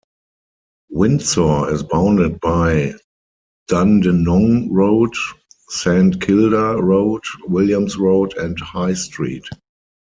Windsor is bounded by Dandenong Road, Saint Kilda Road, Williams Road and High Street.